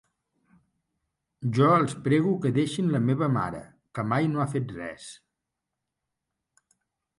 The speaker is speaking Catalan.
Jo els prego que deixin la meva mare, que mai no ha fet res.